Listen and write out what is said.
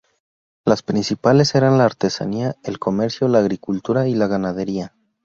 Las principales eran la artesanía, el comercio, la agricultura y la ganadería.